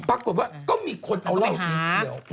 ปรากฏว่าก็มีคนเอาเหล้าสีเขียว